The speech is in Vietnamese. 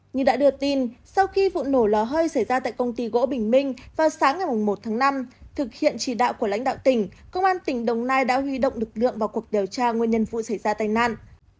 như đã đưa tin sau khi vụ nổ lò hơi xảy ra tại công ty gỗ bình minh vào sáng ngày một tháng năm thực hiện chỉ đạo của lãnh đạo tỉnh công an tỉnh đồng nai đã huy động lực lượng vào cuộc điều tra nguyên nhân vụ xảy ra tai nạn